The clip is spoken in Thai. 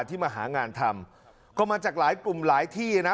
ที่มาหางานทำก็มาจากหลายกลุ่มหลายที่นะ